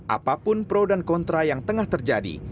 apapun pro dan kontra yang tengah terjadi